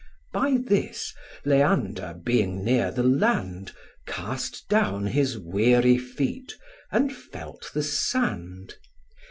By this, Leander, being near the land, Cast down his weary feet, and felt the sand.